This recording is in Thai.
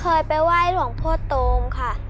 เคยไปไหว้หลวงพ่อโตมค่ะ